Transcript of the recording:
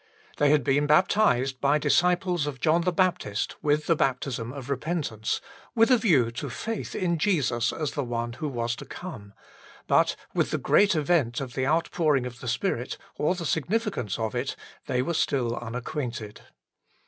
They had been baptized by disciples of John the Baptist with the baptism of repentance with a view to faith in Jesus as One who was to come ; but with the great event of the outpouring of the Spirit or the significance of it they were still un acquainted.